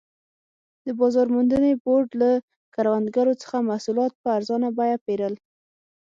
د بازار موندنې بورډ له کروندګرو څخه محصولات په ارزانه بیه پېرل.